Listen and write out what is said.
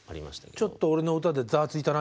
ちょっと俺の歌でざわついたな